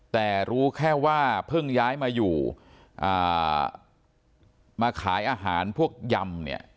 แต่รู้แค่ว่าเพิ่งย้ายมาอยู่มาขายอาหารพวกยำเนี่ย